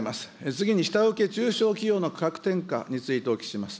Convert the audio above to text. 次に下請け中小企業価格転嫁についてお聞きします。